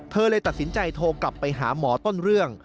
เลยตัดสินใจโทรกลับไปหาหมอต้นเรื่อง